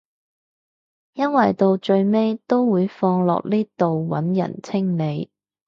因為到最尾都會放落呢度揾人清理